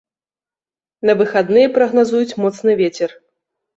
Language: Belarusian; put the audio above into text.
На выхадныя прагназуюць моцны вецер.